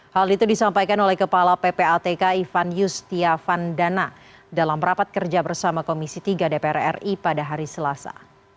hal itu disampaikan oleh kepala ppatk ivan yustiavandana dalam rapat kerja bersama komisi tiga dpr ri pada hari selasa